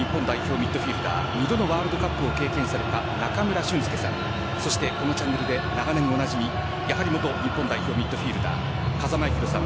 ミッドフィールダー２度のワールドカップを経験された中村俊輔さんそしてこのチャンネルで長年おなじみ元日本代表ミッドフィールダー風間八宏さん